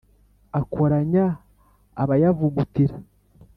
Akoranya abayavugutira,